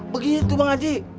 begitu bang haji